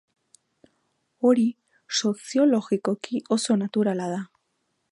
Hori soziologikoki oso naturala da.